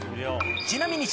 ちなみに